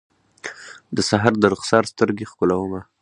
د سحر درخسار سترګې ښکلومه